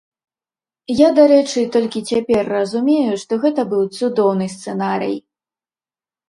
Я, дарэчы, толькі цяпер разумею, што гэта быў цудоўны сцэнарый.